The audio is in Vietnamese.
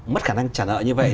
mất khả năng trả nợ như vậy